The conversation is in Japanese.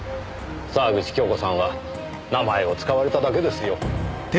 沢口京子さんは名前を使われただけですよ。